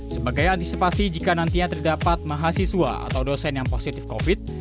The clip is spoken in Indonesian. sebagai antisipasi jika nantinya terdapat mahasiswa atau dosen yang positif covid